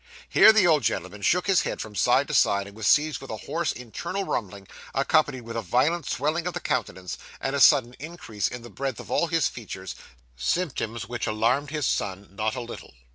Here the old gentleman shook his head from side to side, and was seized with a hoarse internal rumbling, accompanied with a violent swelling of the countenance, and a sudden increase in the breadth of all his features; symptoms which alarmed his son not a little.